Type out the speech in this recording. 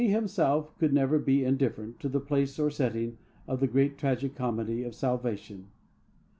He himself could never be indifferent to the place or setting of the great tragi comedy of salvation.